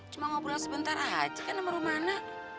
cuma ngobrol sebentar aja kan sama rumahnya